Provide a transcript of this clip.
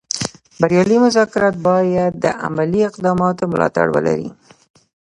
بریالي مذاکرات باید د عملي اقداماتو ملاتړ ولري